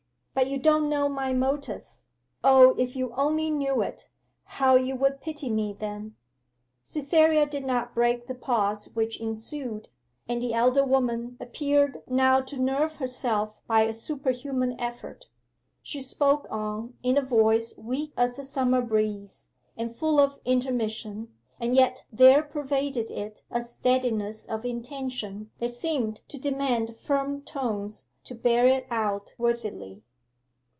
'But you don't know my motive. O, if you only knew it, how you would pity me then!' Cytherea did not break the pause which ensued, and the elder woman appeared now to nerve herself by a superhuman effort. She spoke on in a voice weak as a summer breeze, and full of intermission, and yet there pervaded it a steadiness of intention that seemed to demand firm tones to bear it out worthily.